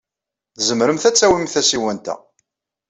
Tzemremt ad tawimt tasiwant-a.